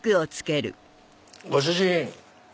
ご主人。